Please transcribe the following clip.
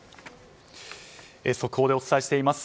速報でお伝えしています。